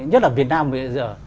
nhất là việt nam bây giờ